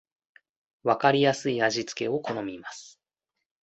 わかりやすい味付けを好みます